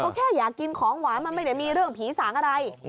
ก็แค่อยากกินของหวานมันไม่ได้มีเรื่องผีสางอะไร